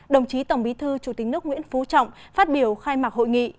đồng chí tổng bí thư chủ tịch nước nguyễn phú trọng phát biểu khai mạc hội nghị